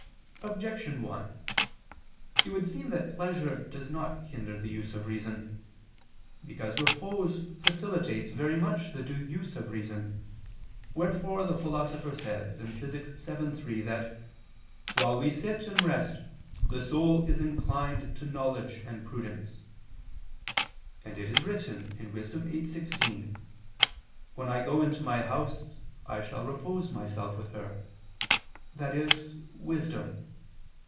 Objection 1: It would seem that pleasure does not hinder the use of reason. Because repose facilitates very much the due use of reason: wherefore the Philosopher says (Phys. vii, 3) that "while we sit and rest, the soul is inclined to knowledge and prudence"; and it is written (Wis. 8:16): "When I go into my house, I shall repose myself with her," i.e. wisdom.